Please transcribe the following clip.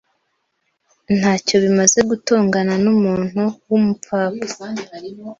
Ntacyo bimaze gutongana numuntu wumupfapfa.